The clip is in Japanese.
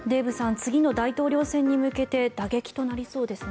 次の大統領選に向けて打撃となりそうですね。